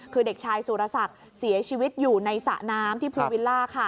คือเด็กชายสุรศักดิ์เสียชีวิตอยู่ในสระน้ำที่ภูวิลล่าค่ะ